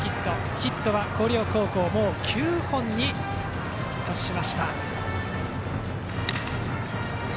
ヒットは、広陵高校もう９本に達しました。